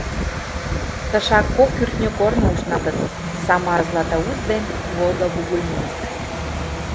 Тышак кок кӱртньӧ корно ушналтыт — Самаро-Златоуст ден Волго-Бугульминск.